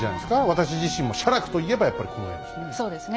私自身も写楽と言えばやっぱりこの絵ですね。